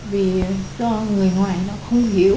vì do người ngoài nó không hiểu nên tự tử